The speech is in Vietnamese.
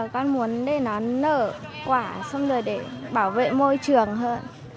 con muốn để nó nở quả xong rồi để bảo vệ môi trường hơn